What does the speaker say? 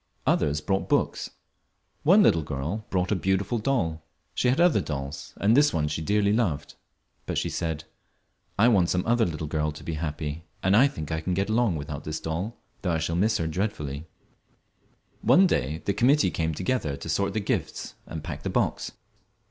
Others brought books. One little girl brought a beautiful doll. She had other dolls, and this one she dearly loved, but she said, "I want some other little girl to be happy, and I think I can get along without this doll, though I shall miss her dreadfully." One day the committee came together to sort the gifts and pack the box.